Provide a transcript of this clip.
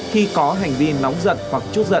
khi có hành vi nóng giận hoặc chút giận